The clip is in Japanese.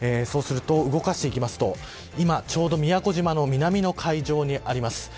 動かしていきますと今、ちょうど宮古島の東の海上にあります。